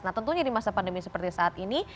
nah tentunya di masa pandemi seperti saat ini